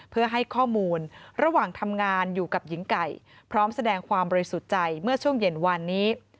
เพื่อให้ข้อมูลระหว่างทำงานอยู่กับหญิงไก่พร้อมแสดงความบริสุทธิ์ใจเมื่อช่วงเย็นวานนี้